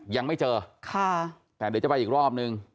ยังไม่เจอค่ะแต่เดี๋ยวจะไปอีกรอบนึง